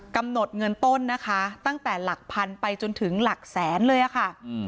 กำหนดเงินต้นนะคะตั้งแต่หลักพันไปจนถึงหลักแสนเลยค่ะ